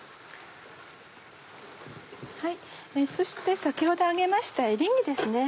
そして先ほど揚げましたエリンギですね。